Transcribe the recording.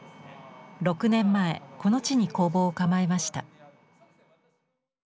６年前この地に工房を構えました。